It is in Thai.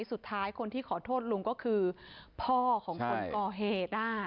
สุดท้ายคนที่ขอโทษลุงก็คือพ่อของคนก่อเหตุ